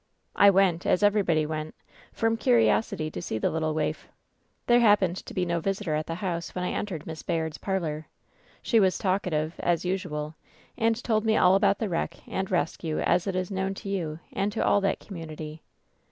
"I went — as everybody went — from curiosity to see the little waif. "There happened to be no visitor at the house when I entered Miss Bayard's parlor. She was talkative, as usual, and told me all about the wreck and rescue as it is known to you and to all that community.